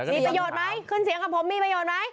มีประโยชน์ไหมขึ้นเสียงกับผมมีประโยชน์ไหม